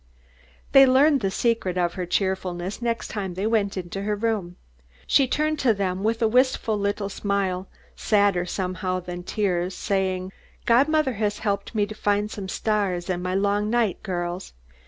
They learned the secret of her cheerfulness next time they went to her room. She turned to them with a wistful little smile, sadder, somehow, than tears, saying, "Godmother has helped me to find some stars in my long night, girls.